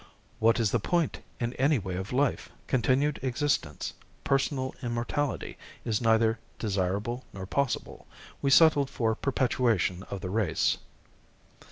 "What is the point in any way of life? Continued existence. Personal immortality is neither desirable nor possible. We settled for perpetuation of the race."